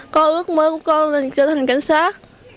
con ước mơ con trở thành cảnh sát